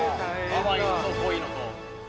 ◆淡いのと濃いのと。